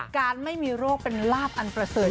การไม่มีโรคเป็นลาบอันประเสริฐ